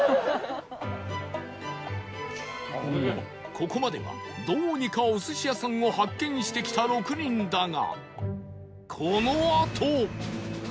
ここまではどうにかお寿司屋さんを発見してきた６人だが